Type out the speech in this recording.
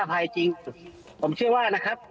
ทนายเกิดผลครับ